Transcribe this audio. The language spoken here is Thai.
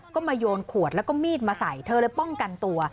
ก็มาโยนขวดแล้วก็มีดมาใส่เธอเลยป้องกันตัว